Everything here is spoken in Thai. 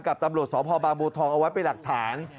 กับตำรวจสอบภาพบางบูทองเอาไว้ไปหลักฐาน